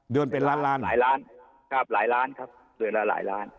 เดือนเป็นล้านล้านหลายล้านครับหลายล้านครับเดือนละหลายล้าน